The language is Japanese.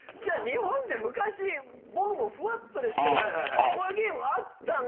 日本で昔僕もふわっとですけどこういうゲームあったな。